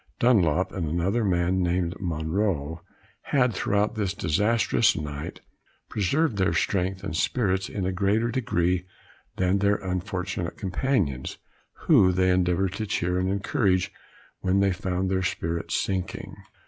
Dunlap and another man, named Monro, had throughout this disastrous night, preserved their strength and spirits in a greater degree than their unfortunate companions, who they endeavored to cheer and encourage when they found their spirits sinking.